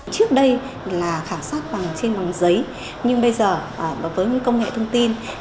trước đây là khảo sát bằng trên bóng giấy nhưng bây giờ đối với công nghệ thông tin